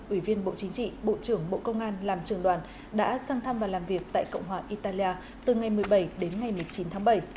ủy viên bộ chính trị bộ trưởng bộ công an làm trường đoàn đã sang thăm và làm việc tại cộng hòa italia từ ngày một mươi bảy đến ngày một mươi chín tháng bảy